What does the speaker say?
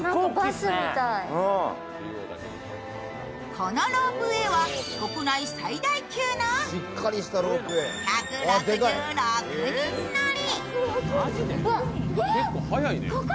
このロープウェイは国内最大級の１６６人乗り。